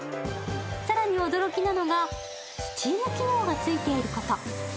更に驚きなのが、スチーム機能がついていること。